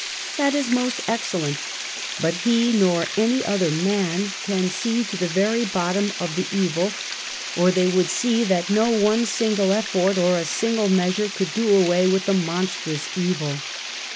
"' That is most excellent, but he nor any other raan can see to the very bottom of the evil 76 UNMASKED, or they would see that no one single effort or a single measure could do away, with the monstrous evil.